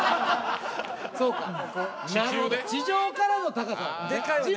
地面からの高さだ。